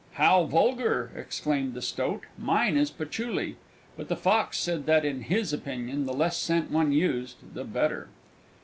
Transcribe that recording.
"How vulgar!" exclaimed the Stoat. "Mine is Patchouli!" But the Fox said that, in his opinion, the less scent one used the better.